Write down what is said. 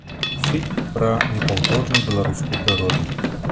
Фільм пра непаўторную беларускую прыроду.